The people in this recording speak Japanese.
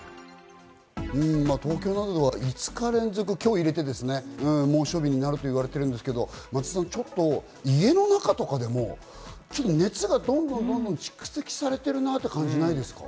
東京などでは５日連続、今日を入れて猛暑日になると言われてるんですけれども松田さん、家の中とかでも熱がどんどんと蓄積されているなという感じないですか？